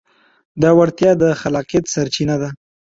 دا وړتیا د خلاقیت سرچینه ده.